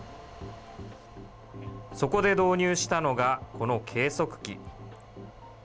そこで導入したのが、この計測器。